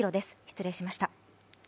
失礼しました。